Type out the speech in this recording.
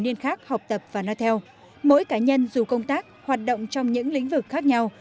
niên khác học tập và nói theo mỗi cá nhân dù công tác hoạt động trong những lĩnh vực khác nhau